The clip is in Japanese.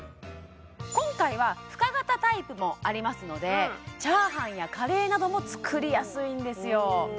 今回は深型タイプもありますのでチャーハンやカレーなども作りやすいんですよ